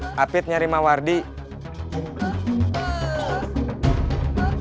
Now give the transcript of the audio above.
sudah terbuka bagi alasan